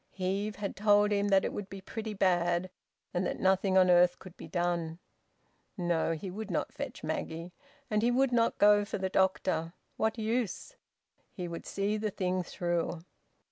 Heve had told him that it would be `pretty bad,' and that nothing on earth could be done. No! He would not fetch Maggie, and he would not go for the doctor. What use? He would see the thing through.